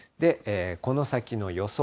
この先の予想